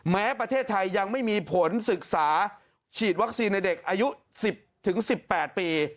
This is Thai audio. แม้ประเทศไทยยังไม่มีผลศึกษาฉีดวัคซีนในเด็กอายุ๑๐๑๘ปี